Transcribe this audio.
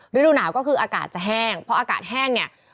ฤดูหนาวก็คืออากาศจะแห้งเพราะอากาศแห้งเนี่ย